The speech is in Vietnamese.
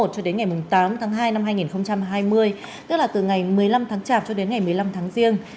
cho đến ngày tám tháng hai năm hai nghìn hai mươi tức là từ ngày một mươi năm tháng chạp cho đến ngày một mươi năm tháng riêng